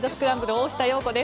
大下容子です。